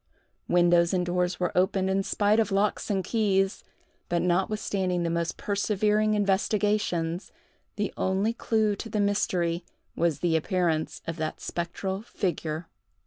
Windows and doors were opened in spite of locks and keys; but notwithstanding the most persevering investigations, the only clew to the mystery was the appearance of that spectral figure.